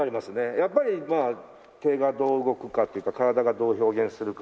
やっぱりまあ手がどう動くかっていうか体がどう表現するか。